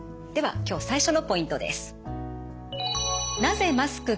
では今日最初のポイントです。